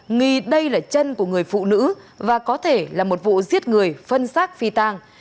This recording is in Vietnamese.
nghi đây là chân của người phụ nữ và có thể là một vụ giết người phân xác phi tàng